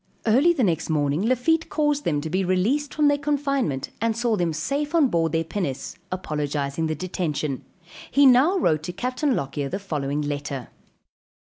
Early the next morning Lafitte caused them to be released from their confinement and saw them safe on board their pinnace, apologizing the detention. He now wrote to Capt. Lockyer the following letter.